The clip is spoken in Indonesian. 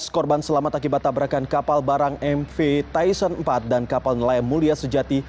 dua belas korban selamat akibat tabrakan kapal barang mv tyson empat dan kapal nelayan mulia sejati